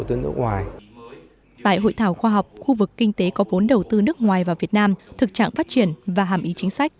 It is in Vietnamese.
tại hội thảo khoa học khu vực kinh tế có vốn đầu tư nước ngoài vào việt nam thực trạng phát triển và hàm ý chính sách